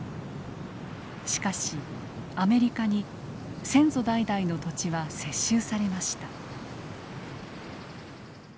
しかしアメリカに先祖代々の土地は接収されました。